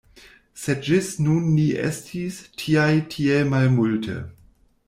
Sed ĝis nun ni estis tiaj tiel malmulte.